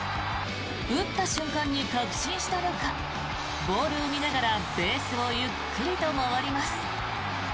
打った瞬間に確信したのかボールを見ながらベースをゆっくりと回ります。